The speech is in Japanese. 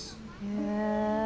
へえ。